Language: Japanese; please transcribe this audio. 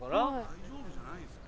大丈夫じゃないんすか。